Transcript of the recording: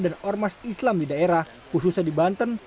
ormas islam di daerah khususnya di banten